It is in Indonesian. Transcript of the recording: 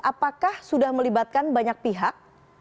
apakah sudah melibatkan banyak pihak